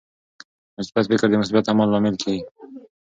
مثبت فکر د مثبت عمل لامل کیږي.